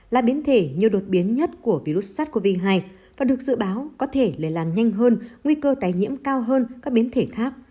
là biến thể nhiều đột biến nhất của virus sars cov hai và được dự báo có thể lây lan nhanh hơn nguy cơ tái nhiễm cao hơn các biến thể khác